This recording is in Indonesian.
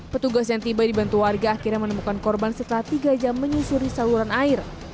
petugas yang tiba dibantu warga akhirnya menemukan korban setelah tiga jam menyusuri saluran air